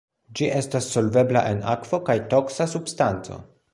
Ĝi estas solvebla en akvo kaj toksa substanco.